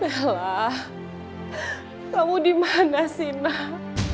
ehlah kamu dimana sih nak